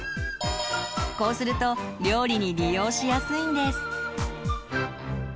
こうすると料理に利用しやすいんです。